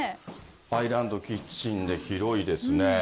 アイランドキッチンで広いですね。